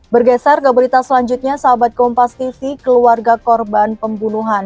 bergeser ke berita selanjutnya sahabat kompas tv keluarga korban pembunuhan